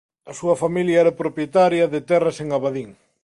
A súa familia era propietaria de terras en Abadín.